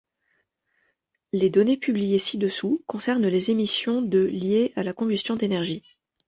Les données publiées ci-dessous concernent les émissions de liées à la combustion d'énergie.